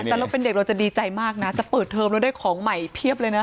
แต่เราเป็นเด็กเราจะดีใจมากนะจะเปิดเทอมแล้วได้ของใหม่เพียบเลยนะ